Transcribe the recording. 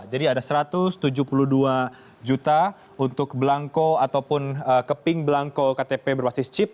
ada satu ratus tujuh puluh dua juta untuk belangko ataupun keping belangko ktp berbasis chip